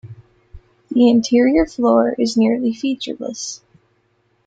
The interior floor is nearly featureless.